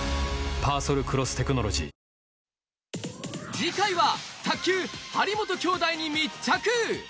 次回は、卓球・張本兄妹に密着。